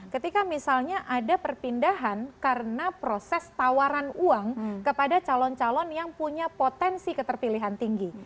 ketika misalnya ada perpindahan karena proses tawaran uang kepada calon calon yang punya potensi keterpilihan tinggi